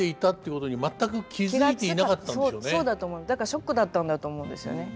だからショックだったんだと思うんですよね。